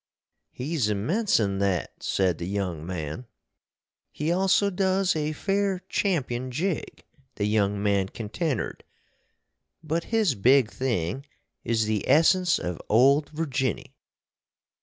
"He's immense in that," sed the young man. "He also does a fair champion jig," the young man continnered, "but his Big Thing is the Essence of Old Virginny."